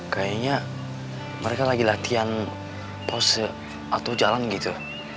kayaknya mereka lagi latihan pose atau jalan gitu